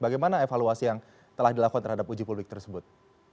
bagaimana evaluasi yang telah dilakukan terhadap uji publik tersebut